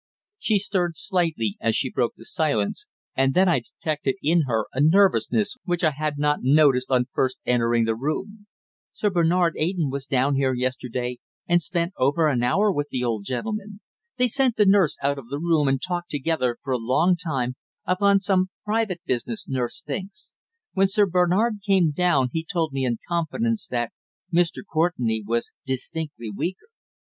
She stirred slightly as she broke the silence, and then I detected in her a nervousness which I had not noticed on first entering the room. "Sir Bernard Eyton was down here yesterday and spent over an hour with the old gentleman. They sent the nurse out of the room and talked together for a long time, upon some private business, nurse thinks. When Sir Bernard came down he told me in confidence that Mr. Courtenay was distinctly weaker."